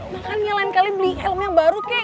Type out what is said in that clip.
makanya lain kali beli helm yang baru kek